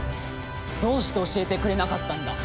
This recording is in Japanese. どうして教えてくれなかったんだ。